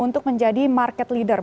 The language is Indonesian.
untuk menjadi market leader